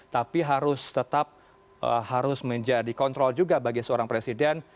tapi harus tetap harus menjadi kontrol juga bagi seorang presiden